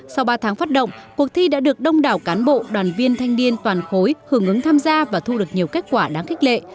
sau ba tháng phát động cuộc thi đã được đông đảo cán bộ đoàn viên thanh niên toàn khối hưởng ứng tham gia và thu được nhiều kết quả đáng khích lệ